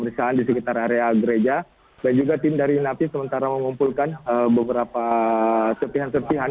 pemeriksaan di sekitar area gereja dan juga tim dari napi sementara mengumpulkan beberapa serpihan serpihan